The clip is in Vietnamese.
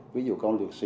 ví dụ con lược sĩ